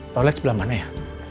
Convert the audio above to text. toilet sebelah mana ya